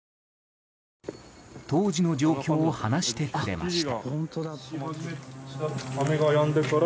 当時の状況を話してくれました。